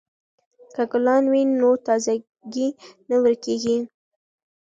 که ګلان وي نو تازه ګي نه ورکیږي.